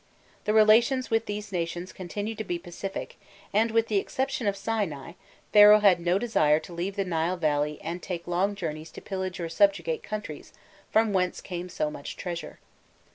The relations with these nations continued to be pacific, and, with the exception of Sinai, Pharaoh had no desire to leave the Nile Valley and take long journeys to pillage or subjugate countries from whence came so much treasure.